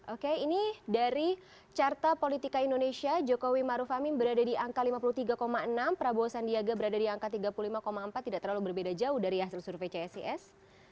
oke ini dari carta politika indonesia jokowi maruf amin berada di angka lima puluh tiga enam prabowo sandiaga berada di angka tiga puluh lima empat tidak terlalu berbeda jauh dari hasil survei csis